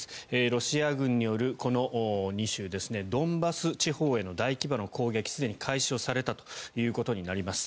ロシア軍による２州ドンバス地方への大規模な攻撃すでに開始されたということになります。